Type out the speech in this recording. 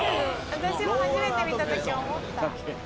私も初めて見た時思った。